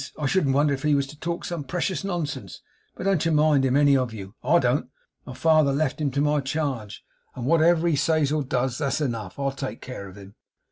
I shouldn't wonder if he was to talk some precious nonsense. But don't you mind him, any of you. I don't. My father left him to my charge; and whatever he says or does, that's enough. I'll take care of him.